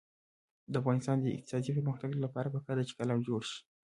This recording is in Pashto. د افغانستان د اقتصادي پرمختګ لپاره پکار ده چې قلم جوړ شي.